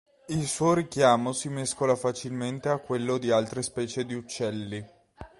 Il suo richiamo si mescola facilmente a quello di altre specie di uccelli.